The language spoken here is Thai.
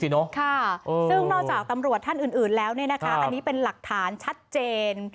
ซึ่งนอกจากตำรวจท่านอื่นแล้วอันนี้เป็นหลักฐานชัดเจน